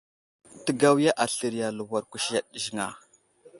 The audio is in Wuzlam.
Təgawiya aslər i aluwar kuseɗ ziŋ a ?